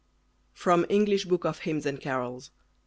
From English Book of Hymns and Carols.